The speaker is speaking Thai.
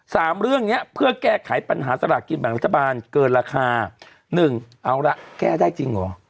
สามเรื่องเนี้ยเพื่อแก้ไขปัญหาสลากกินแบ่งรัฐบาลเกินราคาหนึ่งเอาละแก้ได้จริงเหรอ